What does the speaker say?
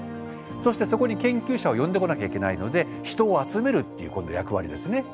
そしてそこに研究者を呼んでこなきゃいけないので人を集めるっていう今度役割ですね。